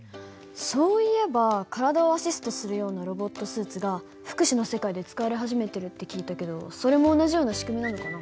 そういえば体をアシストするようなロボットスーツが福祉の世界で使われ始めてるって聞いたけどそれも同じような仕組みなのかな。